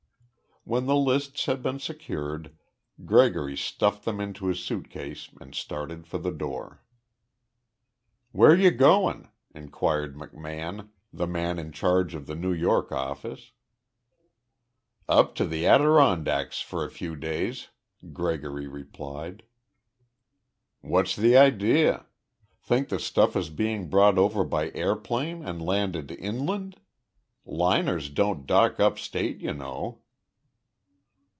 When the lists had been secured Gregory stuffed them into his suit case and started for the door. "Where you going?" inquired McMahon, the man in charge of the New York office. "Up to the Adirondacks for a few days," Gregory replied. "What's the idea? Think the stuff is being brought over by airplane and landed inland? Liners don't dock upstate, you know."